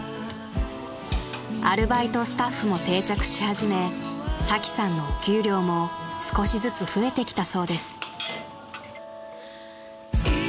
［アルバイトスタッフも定着し始めサキさんのお給料も少しずつ増えてきたそうです］